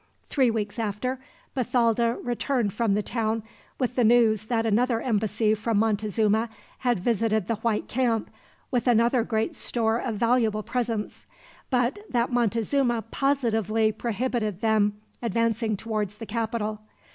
Three weeks after, Bathalda returned from the town with the news that another embassy from Montezuma had visited the white camp, with another great store of valuable presents; but that Montezuma positively prohibited them advancing towards the capital.